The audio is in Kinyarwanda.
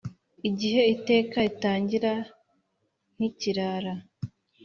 igihe Iteka ritangira ntikiragra.